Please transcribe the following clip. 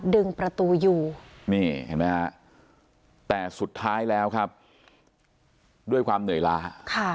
ดึงประตูอยู่นี่เห็นไหมฮะแต่สุดท้ายแล้วครับด้วยความเหนื่อยล้า